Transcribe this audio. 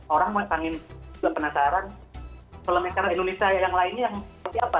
orang mau tanggung penasaran film yang kan indonesia yang lainnya seperti apa